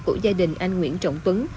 của gia đình anh nguyễn trọng tuấn